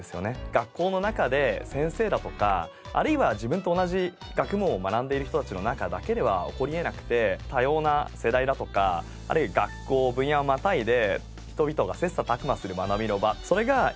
学校の中で先生だとかあるいは自分と同じ学問を学んでいる人たちの中だけでは起こりえなくて多様な世代だとかあるいは学校分野をまたいで。